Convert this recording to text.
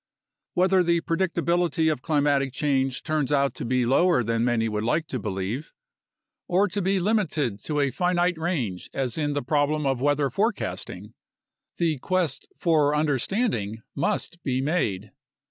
Whether the predictability of climatic change turns out to be lower than many would like to believe or to be limited to a finite range as in the problem of weather forecasting, the quest for understanding must be made.